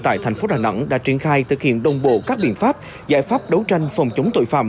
tại thành phố đà nẵng đã triển khai thực hiện đồng bộ các biện pháp giải pháp đấu tranh phòng chống tội phạm